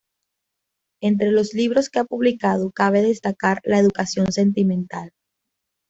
Entre los libros que ha publicado cabe destacar "La educación sentimental.